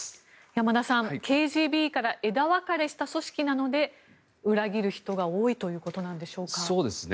山田さん、ＫＧＢから枝分かれした組織なので裏切る人が多いということなんでしょうか。